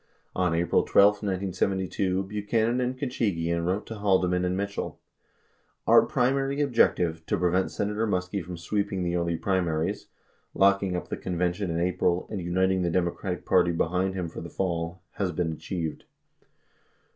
On April 12, 1972, Buchanan and Khachigian wrote to TIaldeman and Mitchell : Our primary objective, to prevent Senator Muskie from sweeping the early primaries, locking up the convention in April, and uniting the Democratic Party behind him for the fall, has been achieved.